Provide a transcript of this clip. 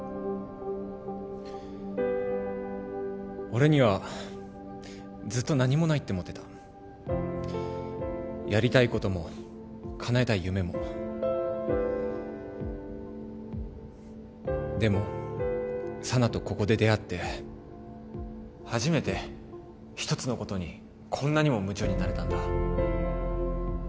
俺にはずっと何もないって思ってたやりたいこともかなえたい夢もでも佐奈とここで出会って初めて一つのことにこんなにも夢中になれたんだ